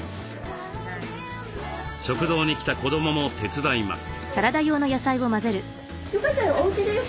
食堂に来た子どもも手伝います。